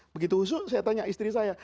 begitu usul saya tanya istri saya